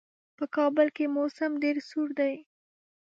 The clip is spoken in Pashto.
په کابل کې موسم ډېر سوړ دی.